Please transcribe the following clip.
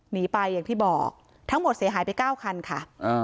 หนีไปอย่างที่บอกทั้งหมดเสียหายไป๙คันค่ะ